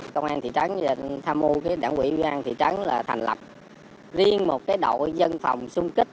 công an thị trấn tham mưu đảng quỹ an thị trấn là thành lập riêng một đội dân phòng xung kích